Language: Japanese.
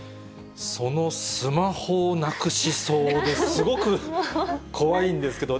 そのスマホをなくしそうで、すごく怖いんですけど。